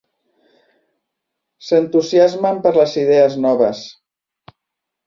S'entusiasmen per les idees noves.